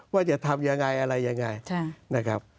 ว่าจะทำยังไงอะไรยังไง